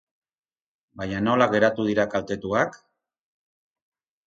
Baina nola geratu dira kaltetuak?